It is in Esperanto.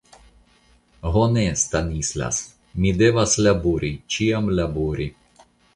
Ho ne, Stanislas, mi devas labori, ĉiam labori.